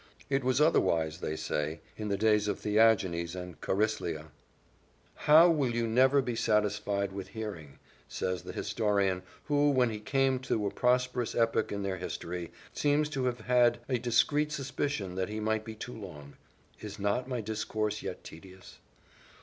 It was otherwise, they say, in the days of Theagenes and Chariclea. "How! will you never be satisfied with hearing?" says their historian, who, when he came to a prosperous epoch in their history, seems to have had a discreet suspicion that he might be too long; "Is not my discourse yet tedious?"